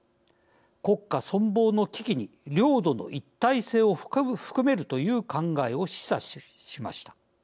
国家存亡の危機に領土の一体性を含めるという考えを示唆しました。